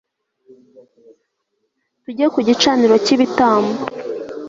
tujye ku gicaniro cy'ibitambo